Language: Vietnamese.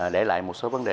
để lại một số vấn đề